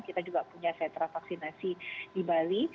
kita juga punya sentra vaksinasi di bali